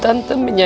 di mandep reopernya